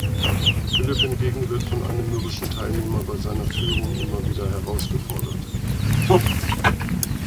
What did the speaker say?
Philipp hingegen wird von einem mürrischen Teilnehmer bei seiner Führung immer wieder herausgefordert.